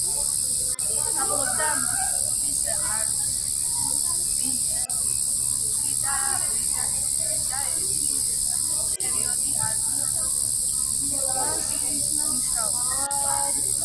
სწავლობდა მოსკოვის არქიტექტურულ ინსტიტუტში და ერთი პერიოდი არქიტექტორად მუშაობდა.